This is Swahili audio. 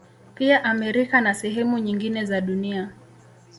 Pia Amerika na sehemu nyingine za Dunia